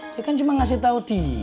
saya kan cuma ngasih tahu di